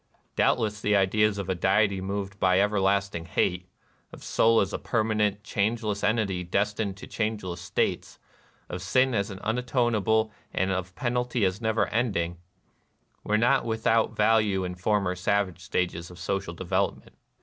Doubtless the ideas of a deity moved by everlasting hate, — of soul as a permanent, changeless entity destined to changeless states, — of sin as unatonable and of penalty as never ending, — were not with out value in former savage stages of social development.